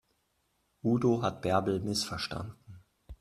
Udo hat Bärbel missverstanden.